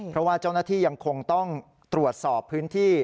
เพราะว่าเจ้าหน้าที่ยังคงต้องตรวจสอบพื้นที่